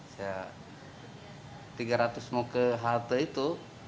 saya tiga ratus mau ke halte itu